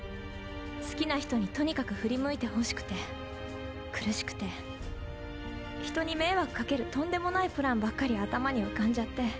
好きな人にとにかく振り向いてほしくて苦しくて人に迷惑かけるとんでもないプランばっかり頭に浮かんじゃって。